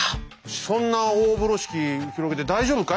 そんな大風呂敷広げて大丈夫かい？